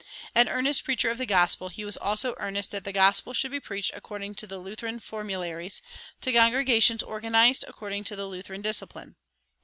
An earnest preacher of the gospel, he was also earnest that the gospel should be preached according to the Lutheran formularies, to congregations organized according to the Lutheran discipline.